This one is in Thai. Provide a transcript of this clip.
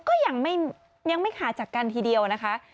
ก็ยังไม่ขาดจากกันทีเดียวนะคะ